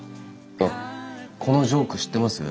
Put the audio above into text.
あっこのジョーク知ってます？